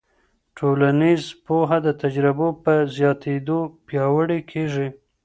ټولنیز پوهه د تجربو په زیاتېدو پیاوړې کېږي.